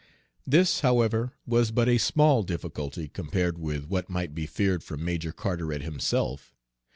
This, however, was but a small difficulty compared with what might be feared from Major Carteret himself.